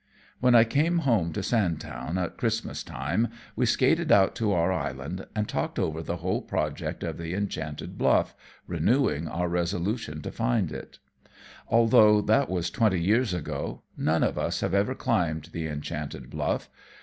When I came home to Sandtown at Christmas time, we skated out to our island and talked over the whole project of the Enchanted Bluff, renewing our resolution to find it. Although that was twenty years ago, none of us have ever climbed the Enchanted Bluff.